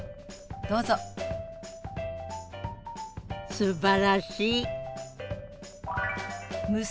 すばらしい！